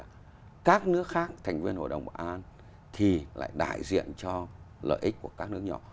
các nước khác thành viên hội đồng bảo an thì lại đại diện cho lợi ích của các nước nhỏ